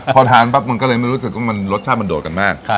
พอทานปั๊บมันก็เลยไม่รู้สึกว่ารสชาติมันโดดกันมาก